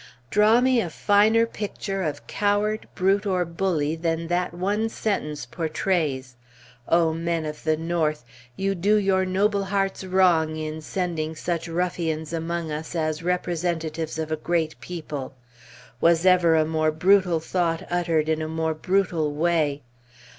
Draw me a finer picture of Coward, Brute, or Bully than that one sentence portrays! O men of the North! you do your noble hearts wrong in sending such ruffians among us as the representatives of a great people! Was ever a more brutal thought uttered in a more brutal way?